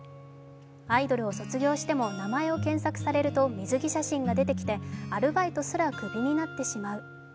アイドルを卒業しても名前を検索されると水着写真が出てきてアルバイトすらクビになってしまう。